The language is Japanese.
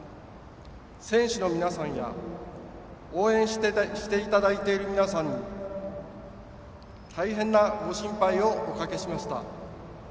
選手の皆さんや応援していただいている皆さんに大変なご心配をおかけしました。